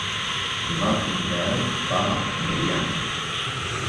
Demà en Gaël va a Meliana.